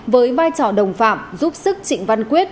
với vai trò đồng phạm giúp sức trịnh văn quyết